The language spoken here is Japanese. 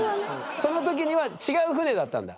その時には違う船だったんだ。